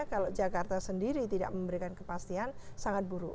kalau jakarta sendiri tidak memberikan kepastian sangat buruk